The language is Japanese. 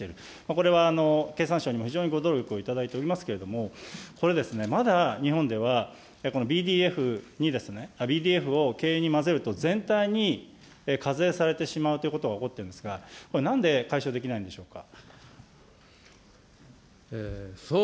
これは経産省にも非常にご努力をいただいておりますけれども、これ、まだ日本ではこのＢＤＦに、ＢＤＦを軽油に混ぜると全体に課税されてしまうということが起こってるんですが、これなんで解消できないんでしょうか。